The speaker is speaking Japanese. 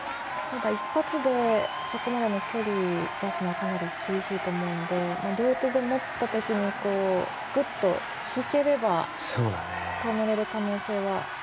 ただ一発でそこまで距離出すのは難しいと思うので両手で持った時にぐっと引ければ止めれる可能性は。